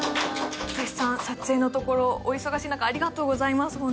絶賛撮影のところお忙しい中ありがとうございます